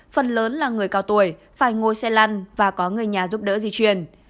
phần lớn là người cao tuổi phải ngồi xe lăn và có người nhà giúp đỡ di chuyển